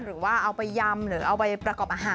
หรือว่าเอาไปยำหรือเอาไปประกอบอาหาร